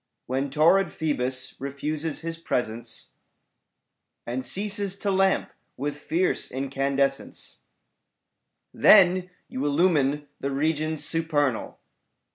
When torrid Phoebus refuses his presence And ceases to lamp with fierce incandescence^ Then you illumine the regions supernal.